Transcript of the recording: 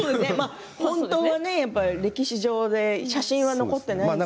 本当は、歴史上で写真が残っていない。